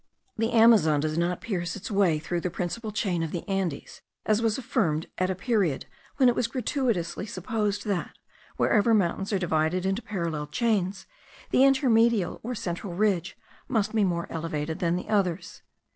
The Amazon does not pierce its way through the principal chain of the Andes, as was affirmed at a period when it was gratuitously supposed that, wherever mountains are divided into parallel chains, the intermedial or central ridge must be more elevated than the others.